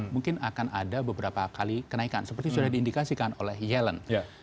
mungkin akan ada beberapa kali kenaikan seperti sudah diindikasikan oleh yellen